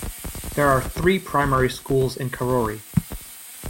There are three primary schools in Karori.